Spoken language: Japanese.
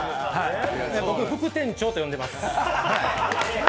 僕、副店長と呼んでます。